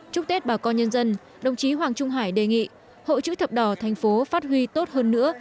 chúc tết bà con nhân dân đồng chí hoàng trung hải đề nghị hội chữ thập đỏ thành phố phát huy tốt hơn nữa